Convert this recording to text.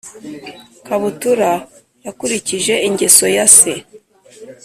Kabutura yakurikije ingeso ya se